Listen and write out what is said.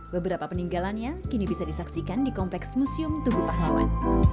beberapa peninggalannya kini bisa disaksikan di kompleks museum tugu pahlawan